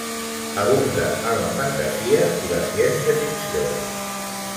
Abunda en la fantasia i la ciència-ficció.